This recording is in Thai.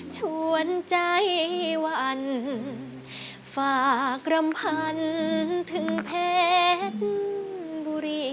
ชวนใจวันฝากรำพันถึงเพชรบุรี